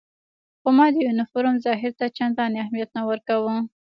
خو ما د یونیفورم ظاهر ته چندانې اهمیت نه ورکاوه.